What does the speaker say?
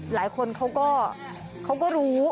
หลายคนเขาก็รู้